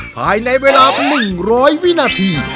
ภายในเวลา๑๐๐วินาที